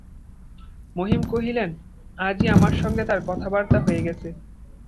মহিম কহিলেন, আজই আমার সঙ্গে তার কথাবার্তা হয়ে গেছে।